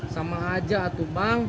sama aja itu bang